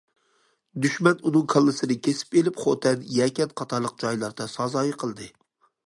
دۈشمەن ئۇنىڭ كاللىسىنى كېسىپ ئېلىپ خوتەن، يەكەن قاتارلىق جايلاردا سازايى قىلدى.